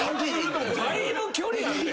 だいぶ距離あるで。